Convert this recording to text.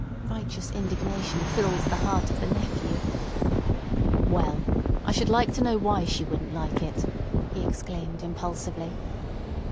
Righteous indignation filled the heart of the nephew. "Well, I should like to know why she wouldn't like it!" he exclaimed impulsively.